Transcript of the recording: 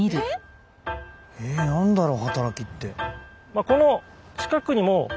え何だろう働きって。